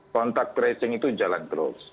kontak tracing itu jalan terus